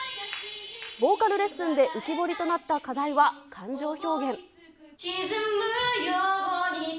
ボーカルレッスンで浮き彫りとなった課題は感情表現。